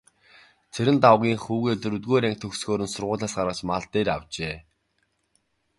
Цэрэндагвынх хүүгээ дөрөвдүгээр анги төгсөхөөр нь сургуулиас гаргаж мал дээр авчээ.